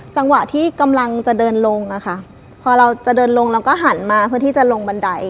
จังหวะที่กำลังจะเดินลงอะค่ะพอเราจะเดินลงเราก็หันมาเพื่อที่จะลงบันได